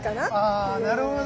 あなるほど。